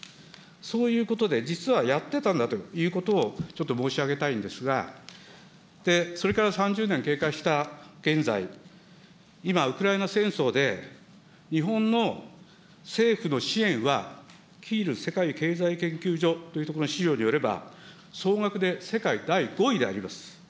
そういうことで、実はやってたんだということを、ちょっと申し上げたいんですが、それから３０年経過した現在、今、ウクライナ戦争で、日本の政府の支援は、研究所というところの資料によれば、総額で世界第５位であります。